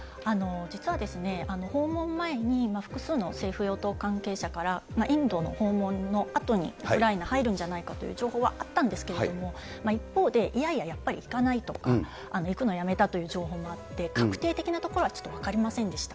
実は訪問前に、複数の政府・与党関係者から、インドの訪問のあとにウクライナ入るんじゃないかという情報はあったんですけれども、一方で、いやいや、やっぱり行かないとか、行くのやめたという情報もあって、確定的なところはちょっと分かりませんでした。